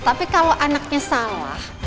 tapi kalau anaknya salah